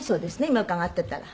今伺ってたら。